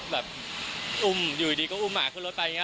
บางทีเขาก็ชวนน้องในร้านไปนั่งด้วยอะไรอย่างเงี้ย